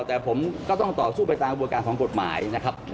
แต่ผมก็ต้องต่อสู้ไปตามกระบวนการของกฎหมายนะครับ